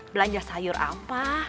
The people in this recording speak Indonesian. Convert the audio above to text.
belanja sayur apa